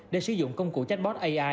để sử dụng công cụ chatbot ai